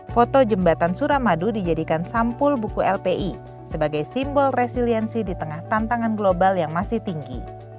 foto jembatan suramadu dijadikan sampul buku lpi sebagai simbol resiliensi di tengah tantangan global yang masih tinggi